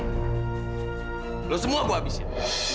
kamu semua akan kubuat